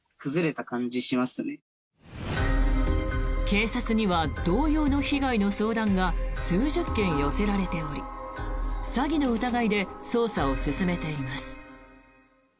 警察には同様の被害の相談が数十件寄せられており詐欺の疑いで捜査を進めています。